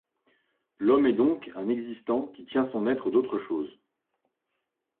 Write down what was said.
L'homme est donc un existant qui tient son être d'autre chose.